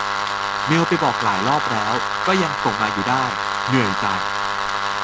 เมลไปบอกหลายรอบแล้ว ก็ยังส่งมาอยู่ได้ เหนื่อยใจ